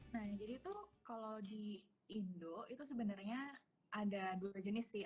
nah jadi itu kalau di indo itu sebenarnya ada dua jenis sih